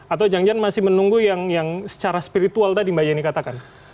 atau jangan jangan masih menunggu yang secara spiritual tadi mbak yeni katakan